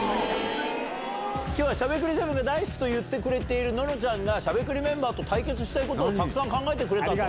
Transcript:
『しゃべくり００７』が大好きと言ってくれてるののちゃんがしゃべくりメンバーと対決したいことたくさん考えてくれたと。